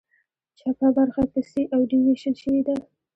چپه برخه په سي او ډي ویشل شوې ده.